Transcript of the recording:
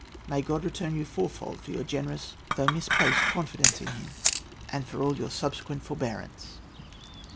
May God return you fourfold for your generous though misplaced confidence in him, and for all your subsequent forbearance!"